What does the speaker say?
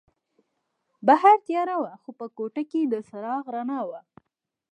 بهر تیاره وه خو په کوټه کې د څراغ رڼا وه.